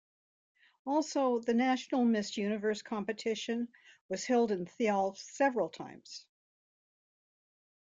Also, the national Miss Universe competition was held in Thialf several times.